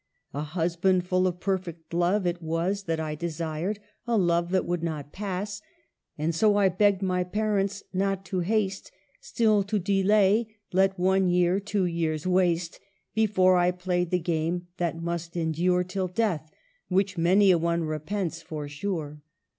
A husband full of perfect love it was That I desired, a love that would not pass ; And so I begged my parents not to haste, Still to delay, let one year, two years, waste Before I played the game that must endure Till death, which many a one repents, for sure.